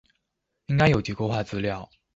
應該有結構化資料